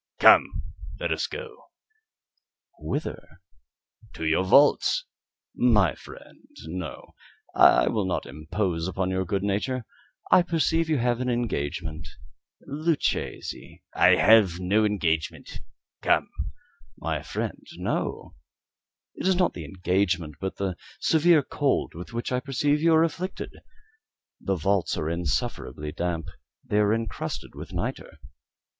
"Come, let us go." "Whither?" "To your vaults." "My friend, no; I will not impose upon your good nature. I perceive you have an engagement. Luchesi " "I have no engagement; come." "My friend, no. It is not the engagement, but the severe cold with which I perceive you are afflicted. The vaults are insufferably damp. They are encrusted with nitre."